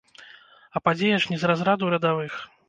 А падзея ж не з разраду радавых.